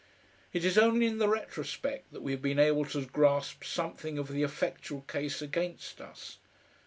It is only in the retrospect that we have been able to grasp something of the effectual case against us.